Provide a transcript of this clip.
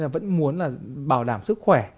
vẫn muốn bảo đảm sức khỏe